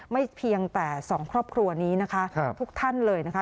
เพียงแต่สองครอบครัวนี้นะคะทุกท่านเลยนะคะ